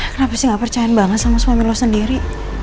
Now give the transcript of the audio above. kenapa sih gak percaya banget sama suamin lo sendiri